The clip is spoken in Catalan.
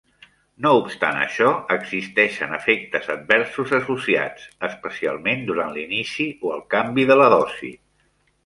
No obstant això, existeixen efectes adversos associats, especialment durant l'inici o el canvi de la dosi.